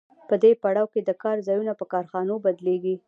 په دې پړاو کې د کار ځایونه په کارخانو بدلېږي